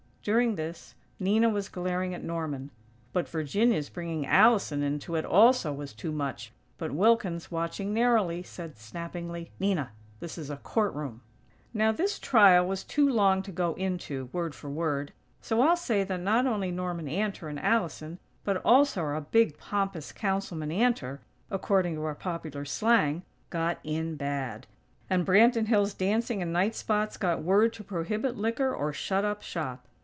During this, Nina was glaring at Norman; but Virginia's bringing Allison into it, also, was too much. But Wilkins, watching narrowly, said, snappingly: "Nina! This is a court room." Now this trial was too long to go into, word for word; so I'll say that not only Norman Antor and Allison, but also our big, pompous Councilman Antor, according to our popular slang, "got in bad"; and Branton Hills' dancing and night spots got word to prohibit liquor or shut up shop.